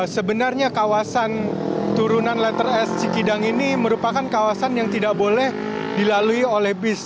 sebenarnya kawasan turunan letter s cikidang ini merupakan kawasan yang tidak boleh dilalui oleh bis